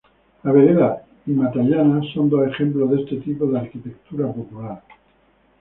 La Vereda y Matallana son dos ejemplos de este tipo de arquitectura popular.